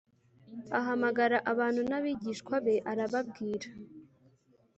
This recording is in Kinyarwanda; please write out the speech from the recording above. Ahamagara abantu n abigishwa be arababwira